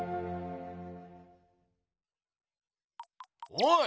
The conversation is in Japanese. おい！